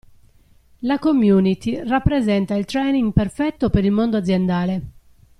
La community rappresenta il training perfetto per il mondo aziendale.